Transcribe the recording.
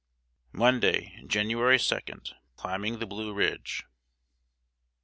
Monday, January 2. [Sidenote: CLIMBING THE BLUE RIDGE.